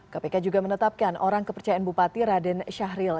kpk juga menetapkan orang kepercayaan bupati raden syahril